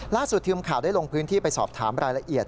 ล่าสุดทีมข่าวได้ลงพื้นที่ไปสอบถามรายละเอียด